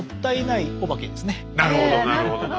なるほど！